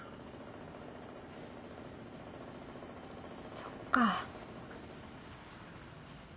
そっか。